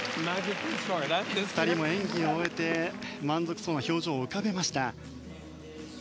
２人の演技を終えて満足そうな表情を浮かべました。